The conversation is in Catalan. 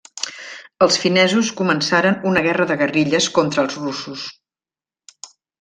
Els finesos començaren una guerra de guerrilles contra els russos.